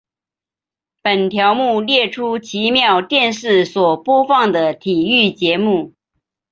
本条目列出奇妙电视所播放的体育节目。